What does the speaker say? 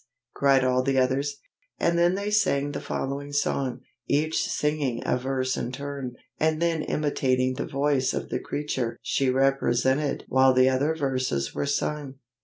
cried all the others. And then they sang the following song, each singing a verse in turn, and then imitating the voice of the creature she represented while the other verses were sung.